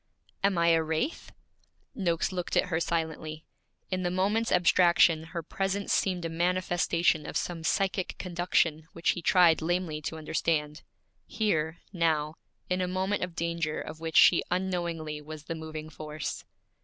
'Am I a wraith?' Noakes looked at her silently. In the moment's abstraction her presence seemed a manifestation of some psychic conduction which he tried lamely to understand here, now, in a moment of danger of which she unknowingly was the moving force.